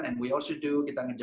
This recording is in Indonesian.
dan kita juga melakukan